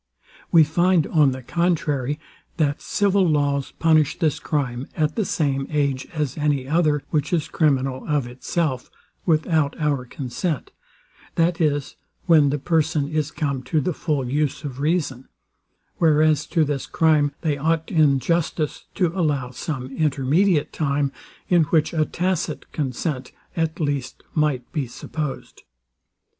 We find, on the contrary, that civil laws punish this crime at the same age as any other, which is criminal, of itself, without our consent; that is, when the person is come to the full use of reason: Whereas to this crime they ought in justice to allow some intermediate time, in which a tacit consent at least might be supposed.